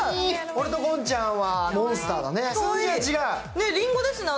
俺と近ちゃんはモンスターだね。